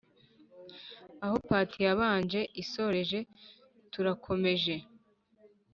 aho part yabanje isoreje turakomeje